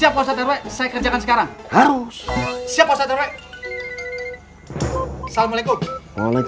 pak dateng deh